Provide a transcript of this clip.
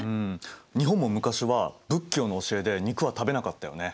日本も昔は仏教の教えで肉は食べなかったよね。